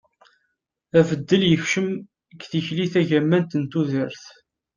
abeddel yekcem deg tikli tagamant n tudert